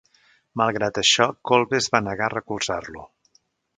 Malgrat això, Kolbe es va negar a recolzar-lo.